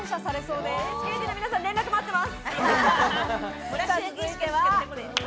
ＨＫＴの皆さん、連絡待ってます。